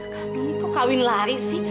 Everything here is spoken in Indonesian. kami kok kawin lari sih